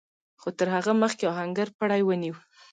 خو تر هغه مخکې آهنګر پړی ونيو.